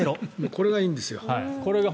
これがいいんですよ。